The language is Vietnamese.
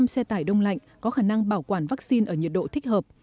bảy trăm linh xe tải đông lạnh có khả năng bảo quản vaccine ở nhiệt độ thích hợp